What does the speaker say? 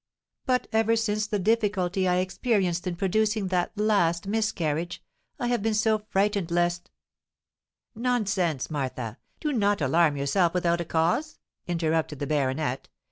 "But ever since the difficulty I experienced in producing that last miscarriage, I have been so frightened lest——" "Nonsense, Martha! do not alarm yourself without a cause," interrupted the baronet.